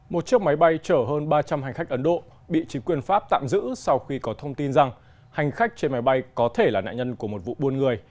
một chiếc máy bay chở hơn ba trăm linh hành khách ấn độ bị chính quyền pháp tạm giữ sau khi có thông tin rằng hành khách trên máy bay có thể là nạn nhân của một vụ buôn người